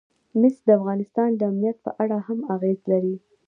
مس د افغانستان د امنیت په اړه هم اغېز لري.